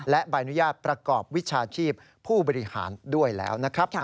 และใบอนุญาตประกอบวิชาชีพผู้บริหารด้วยแล้วนะครับ